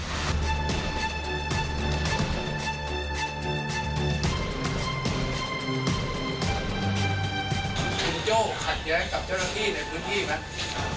คุณโจ้ขัดแย้งกับเจ้าหน้าที่ในพื้นที่ไหม